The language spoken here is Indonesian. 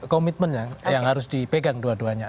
komitmen yang harus dipegang dua duanya